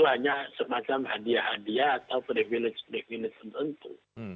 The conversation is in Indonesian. hanya semacam hadiah hadiah atau privilege beginit tentu